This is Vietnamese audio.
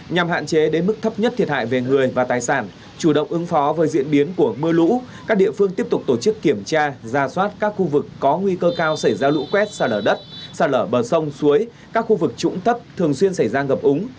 nhằm hạn chế đến mức thấp nhất thiệt hại về người và tài sản chủ động ứng phó với diễn biến của mưa lũ các địa phương tiếp tục tổ chức kiểm tra ra soát các khu vực có nguy cơ cao xảy ra lũ quét xa lở đất sạt lở bờ sông suối các khu vực trũng thấp thường xuyên xảy ra ngập úng